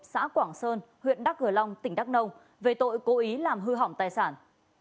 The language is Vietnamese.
xã quảng sơn huyện đắc hờ long tỉnh đắc nông về tội cố ý làm hư hỏng tài sản